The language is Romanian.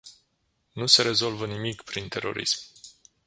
Nu se rezolvă nimic prin terorism.